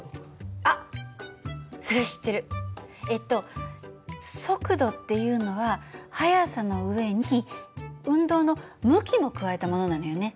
えっと速度っていうのは速さの上に運動の向きも加えたものなのよね。